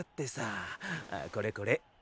これこれ。